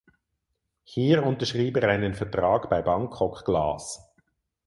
Hier unterschrieb er einen Vertrag bei Bangkok Glass.